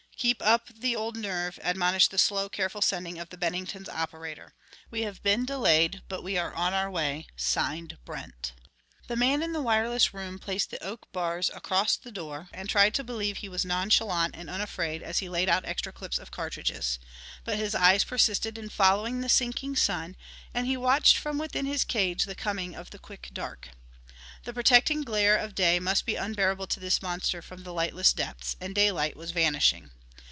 "Keep up the old nerve," admonished the slow, careful sending of the Bennington's operator. "We have been delayed but we are on our way. Signed, Brent." The man in the wireless room placed the oak bars across the door, and tried to believe he was nonchalant and unafraid as he laid out extra clips of cartridges. But his eyes persisted in following the sinking sun, and he watched from within his cage the coming of the quick dark. The protecting glare of day must be unbearable to this monster from the lightless depths, and daylight was vanishing.